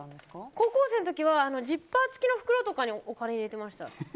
高校生の時はジッパー付きの袋にお金入れてました。